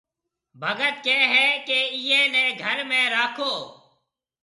ڀگت ڪھيََََ ھيَََ ڪہ ايئيَ نيَ گھر ۾ راکو